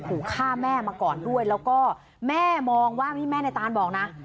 ขู่ฆ่าแม่มาก่อนด้วยแล้วก็แม่มองว่านี่แม่ในตานบอกนะ